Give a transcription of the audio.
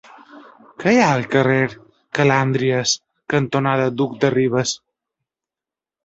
Què hi ha al carrer Calàndries cantonada Duc de Rivas?